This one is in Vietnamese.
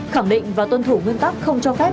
khẳng định và tuân thủ nguyên tắc không cho phép